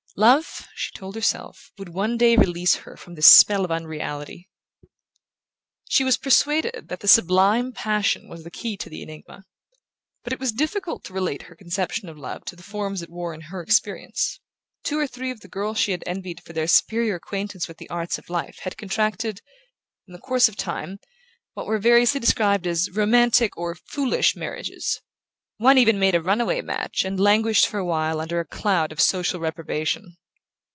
Love, she told herself, would one day release her from this spell of unreality. She was persuaded that the sublime passion was the key to the enigma; but it was difficult to relate her conception of love to the forms it wore in her experience. Two or three of the girls she had envied for their superior acquaintance with the arts of life had contracted, in the course of time, what were variously described as "romantic" or "foolish" marriages; one even made a runaway match, and languished for a while under a cloud of social reprobation.